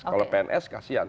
kalau pns kasian